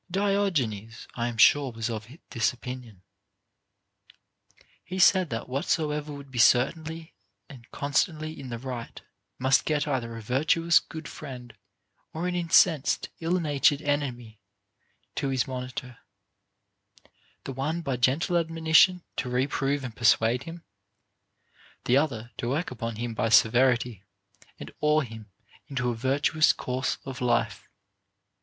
Dioo enes, I am sure, was of this opinion. He said, that whosoever would be certainly and constantly in the right must get either a virtuous good friend or an incensed ill natured enemy to his monitor ; the one by gentle admonition to reprove and persuade him, the other to work upon him by severity, and awe him into a virtuous course of life.